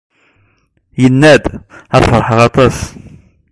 Yenna-d: ad ferḥeɣ aṭas!